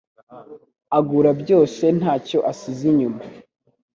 agura byose ntacyo asize inyuma